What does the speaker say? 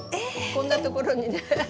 こんなところにねハハハ。